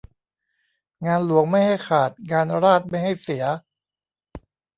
งานหลวงไม่ให้ขาด งานราษฎร์ไม่ให้เสีย